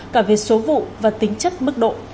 cả về số vụ và tính chất mức độ